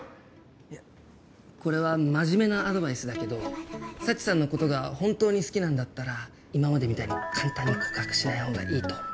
いやこれは真面目なアドバイスだけど佐知さんのことが本当に好きなんだったら今までみたいに簡単に告白しないほうがいいと思う。